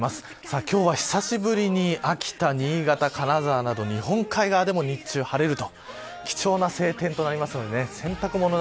今日は、久しぶりに秋田、新潟金沢など日本海側でも日中でも晴れると。